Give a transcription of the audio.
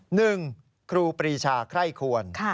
หนึ่งครูปีชาใคร่ควร